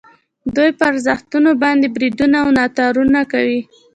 دوی پر ارزښتونو باندې بریدونه او ناتارونه کوي.